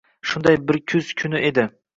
Shunday bir kuz kuni edi.